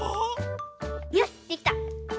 よしできた！